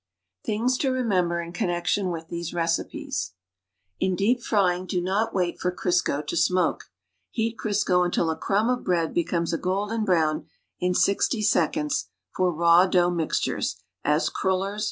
THINGS TO REMEMBER IN CONNECTION WITH THESE RECIPES. In deep frying, do not wait for Crisco to smoke. Heat Crisco until a crumb of bread becomes a golden brown in GO seconds tor raw dougli mixtures, as cruilers.